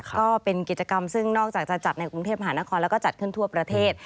ก็เป็นกิจกรรมซึ่งนอกจากจะจัดในกรุงเทพหานครแล้วก็จัดขึ้นทั่วประเทศ